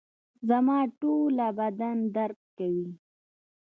زما ټوله بدن درد کوي